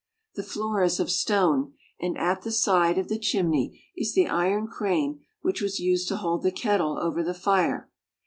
The floor is of stone, and at the side of the chimney is the iron crane which was used to hold the kettle over the fire.